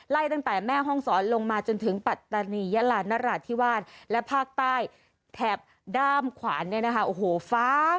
ตั้งแต่แม่ห้องศรลงมาจนถึงปัตตานียะลานราธิวาสและภาคใต้แถบด้ามขวานเนี่ยนะคะโอ้โหฟ้า